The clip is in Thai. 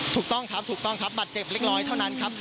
ถูกต้องครับถูกต้องครับบัตรเจ็บเล็กน้อยเท่านั้นครับ